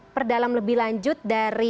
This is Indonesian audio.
perdalam lebih lanjut dari